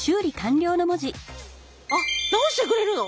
あっ治してくれるの！？